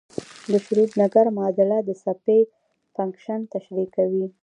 د شروډنګر معادله د څپې فنکشن تشریح کوي.